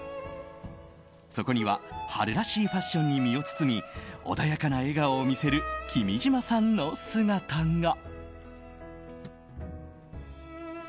そこには春らしいファッションに身を包み穏やかな笑顔を見せる君島さんの姿が。